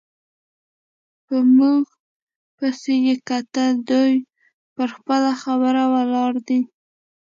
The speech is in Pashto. په موږ پسې یې کتل، دوی پر خپله خبره ولاړې دي.